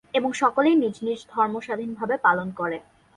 এবং সকলেই নিজ নিজ ধর্ম স্বাধীন ভাবে পালনকরে।